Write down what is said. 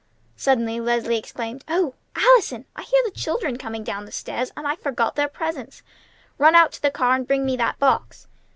Suddenly Leslie exclaimed: "O Allison! I hear the children coming down stairs, and I forgot their presents! Run out to the car, and bring me that box."